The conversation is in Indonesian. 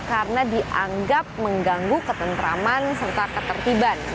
karena dianggap mengganggu ketentraman serta ketertiban